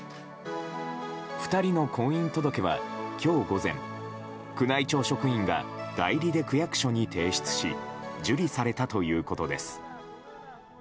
２人の婚姻届は今日午前、宮内庁職員が代理で区役所に提出し受理されたということです。